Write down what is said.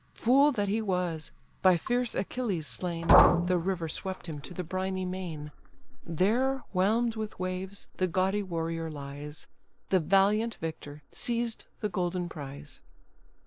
Fool that he was! by fierce Achilles slain, The river swept him to the briny main: There whelm'd with waves the gaudy warrior lies The valiant victor seized the golden prize.